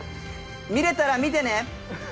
見れたら見てね！